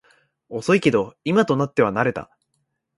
遅いけど今となっては慣れた